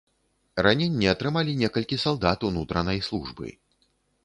Раненні атрымалі некалькі салдат ўнутранай службы.